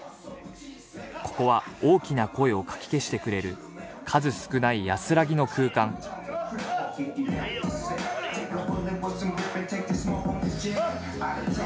ここは大きな声をかき消してくれる数少ない安らぎの空間はいよあっ！